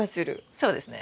そうですね。